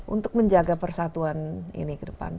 untuk menjaga persatuan ini ke depan